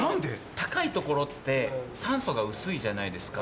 高い所って酸素が薄いじゃないですか。